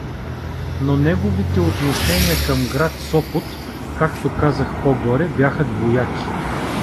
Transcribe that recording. Но неговите отношения към град Сопот, както казах по-горе, бяха двояки.